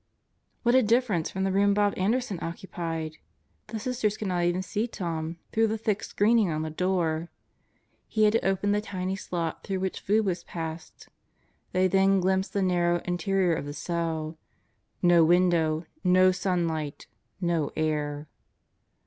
What a difference from the room Bob Anderson occupied ! The Sisters could not even see Tom through the thick screening on Birthdays in the Deathhouse 73 the door. He had to open the tiny slot through which food was passed. They then glimpsed the narrow interior of the cell. No window. No sunlight. No air.